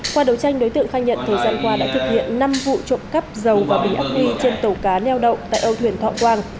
qua đấu tranh đối tượng khai nhận thời gian qua đã thực hiện năm vụ trộm cắp dầu và bình ác quy trên tàu cá neo đậu tại âu thuyền thọ quang